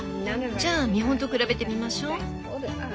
じゃあ見本と比べてみましょ。